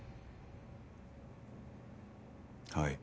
はい。